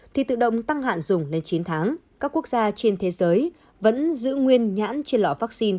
thì tự động tăng hạn dùng lên chín tháng các quốc gia trên thế giới vẫn giữ nguyên nhãn trên lọ vaccine